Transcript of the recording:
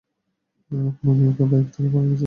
কোনো মেয়ে বাইক থেকে পড়ে গেছে!